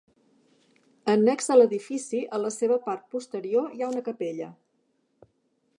Annex a l'edifici, a la seva part posterior hi ha una capella.